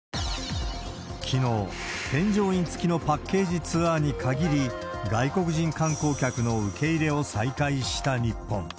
きのう、添乗員付きのパッケージツアーに限り、外国人観光客の受け入れを再開した日本。